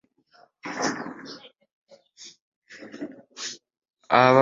Ababaka balabude aba poliisi ku nguzi.